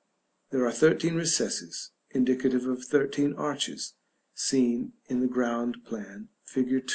There are thirteen recesses, indicative of thirteen arches, seen in the ground plan, fig.